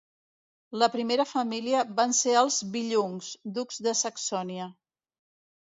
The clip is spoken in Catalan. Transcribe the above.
La primera família van ser els Billungs, ducs de Saxònia.